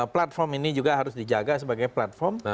platform ini juga harus dijaga sebagai platform yang netral